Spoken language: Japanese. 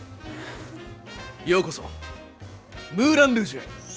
ようこそムーラン・ルージュへ。